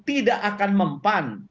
tidak akan mempan